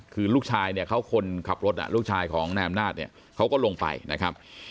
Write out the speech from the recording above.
คือลูกชายเขาคนขับรถลูกชายของอำนาจเขาก็ลงไปนะครับ